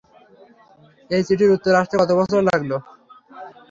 এই চিঠির উত্তর আসতে কত বছর লাগলো?